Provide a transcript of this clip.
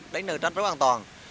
đánh nơi trách rất an toàn